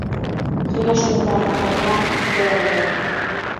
Ҡояш нурҙары ҡайнар, бә-әй...